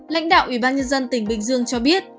lãnh đạo ủy ban nhân dân tỉnh bình dương cho biết